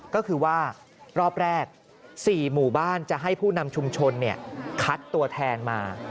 ก็คือว่ารอบแรก๔หมู่บ้านจะให้ผู้นำชุมชนคัดตัวแทนมา